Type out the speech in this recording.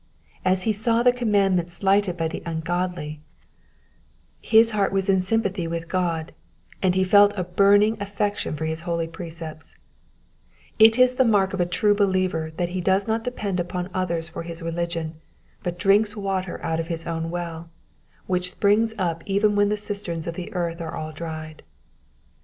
As he saw the commandments slighted by the ungodly, his heart was iut 18 Digitized by VjOOQIC 274: EXPOSITIONS OF THE PSALMS. sympathy with God, and he felt a burning affection for his holy precepts. It is the mark of a true believer that he does not depend upon others for his religion, but drinks water out of his own well, which springs up even when the cisterns of earth are all dried.